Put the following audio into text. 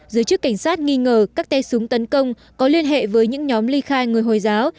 giới chức cảnh sát nghi ngờ các tay súng tấn công có liên hệ với những nhóm ly khai người hồi giáo